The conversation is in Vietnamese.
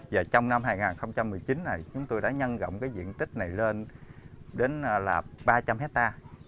và trong năm hai nghìn một mươi chín này chúng tôi đã nhân rộng cái diện tích này lên đến là ba trăm linh hectare